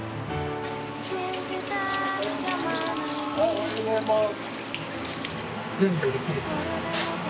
おはようございます。